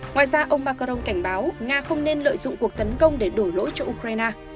ngoài ra ông macron cảnh báo nga không nên lợi dụng cuộc tấn công để đổi lỗi cho ukraine